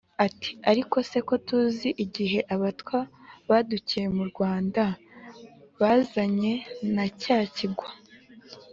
uti: “ariko se ko tuzi igihe abatwa badukiye mu rwanda bazanye na cya kigwa,